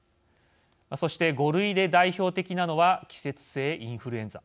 そして、５類で代表的なのは季節性インフルエンザ。